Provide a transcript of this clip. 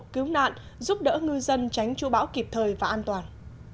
cứu nạn giúp đỡ ngư dân tránh chú bão kịp thời và an toàn